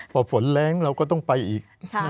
พอฝนแรงเราก็ต้องไปอีก